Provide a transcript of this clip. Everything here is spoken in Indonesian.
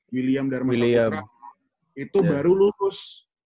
william darmiliam itu baru lulus